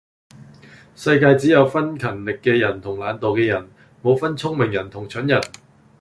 世界上只有分勤力嘅人同懶惰嘅人，冇分聰明人同蠢人